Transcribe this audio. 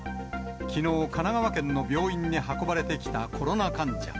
きのう、神奈川県の病院に運ばれてきたコロナ患者。